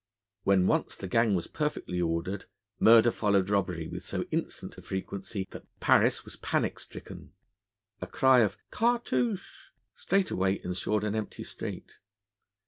When once the gang was perfectly ordered, murder followed robbery with so instant a frequency that Paris was panic stricken. A cry of 'Cartouche' straightway ensured an empty street.